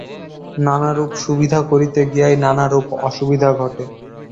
নানারূপ সুবিধা করিতে গিয়াই নানারূপ অসুবিধা ঘটে।